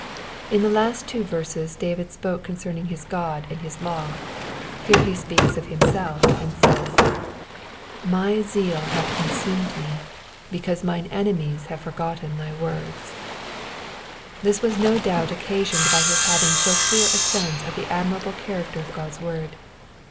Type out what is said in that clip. In the last two verses David spoke concerning his God and his law ; here he speaks of himself, and says, ^'My zeal hath eonmmed me, because mma enemies have fm^gotten thy V3ords'*\' this was no doubt occasioned by his having so clear a sense of the admirable character of God's word.